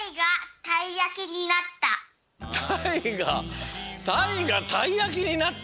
たいが「たいがたいやきになった」？